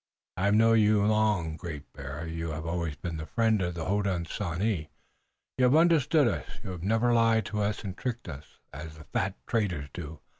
I have known you long, Great Bear. You have always been the friend of the Hodenosaunee. You have understood us, you have never lied to us, and tricked us, as the fat traders do.